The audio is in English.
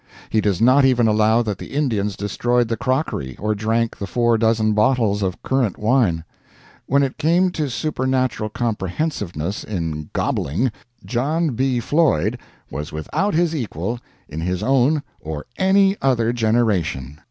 He does not even allow that the Indians destroyed the crockery or drank the four dozen bottles of (currant) wine. When it came to supernatural comprehensiveness in "gobbling," John B. Floyd was without his equal, in his own or any other generation.